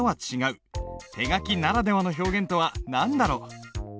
手書きならではの表現とは何だろう？